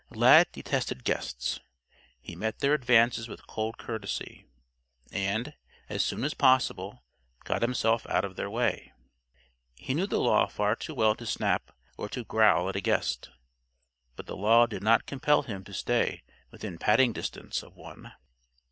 Lad detested guests. He met their advances with cold courtesy, and, as soon as possible, got himself out of their way. He knew the Law far too well to snap or to growl at a guest. But the Law did not compel him to stay within patting distance of one.